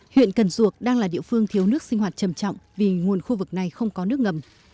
huyện cần duộc đang là địa phương thiếu nước sinh hoạt trầm trọng vì nguồn khu vực này không có nước ngầm